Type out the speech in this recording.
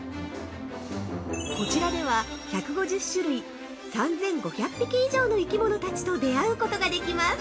こちらでは１５０種類、３５００匹以上の生き物たちと出会うことができます。